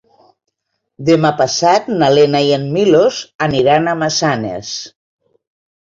Demà passat na Lena i en Milos aniran a Massanes.